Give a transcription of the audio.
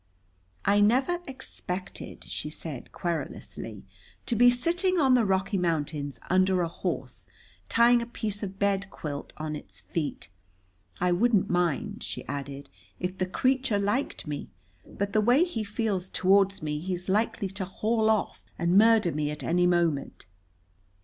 "I never expected," she said querulously, "to be sitting on the Rocky Mountains under a horse, tying a piece of bed quilt on his feet. I wouldn't mind," she added, "if the creature liked me. But the way he feels toward me he's likely to haul off and murder me at any moment."